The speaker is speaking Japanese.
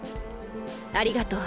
・ありがとう。